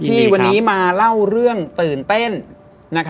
ที่วันนี้มาเล่าเรื่องตื่นเต้น